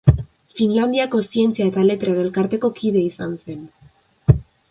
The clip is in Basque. Finlandiako Zientzia eta Letren Elkarteko kide izan zen.